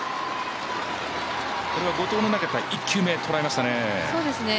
これは後藤の投げた１球目捉えましたね。